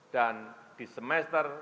dan di semester satu